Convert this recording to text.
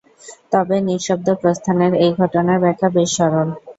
তবে নিঃশব্দ প্রস্থানের এই ঘটনার ব্যাখ্যা বেশ সরল।